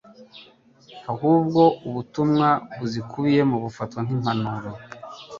ahubwo ubutumwa buzikubiyemo bufatwa nk'impanuro